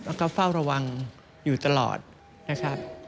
แล้วก็เฝ้าระวังอยู่ตลอดนะครับ